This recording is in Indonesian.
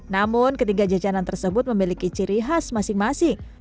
namun ketiga jajanan tersebut memiliki ciri khas masing masing